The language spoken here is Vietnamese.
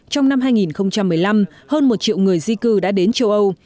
trong năm hai nghìn một mươi năm hơn một triệu người di cư đã đến châu âu